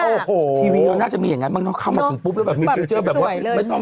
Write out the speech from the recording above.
โอ้โหทีวีก็น่าจะมีอย่างงั้นมันเข้ามาถึงปุ๊บแบบแบบแบบไม่ต้อง